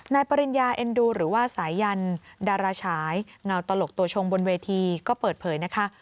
ปริญญาเอ็นดูหรือว่าสายันดาราฉายเงาตลกตัวชงบนเวทีก็เปิดเผยนะคะ